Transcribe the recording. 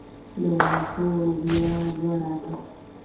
د واښو بیه لوړه ده؟